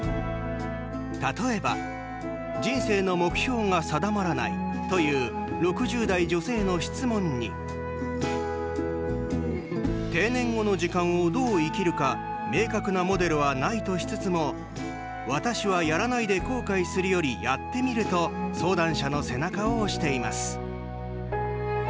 例えば人生の目標が定まらないという６０代女性の質問に定年後の時間をどう生きるか明確なモデルはないとしつつも私は、やらないで後悔するよりやってみると相談者の背中を押しています。